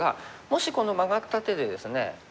もしこのマガった手でですね